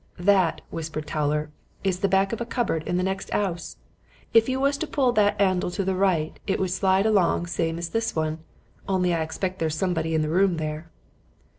"'That,' whispered Towler, 'is the back of a cupboard in the next 'ouse. If you was to pull that 'andle to the right, it would slide along same as this one. Only I expect there's somebody in the room there.'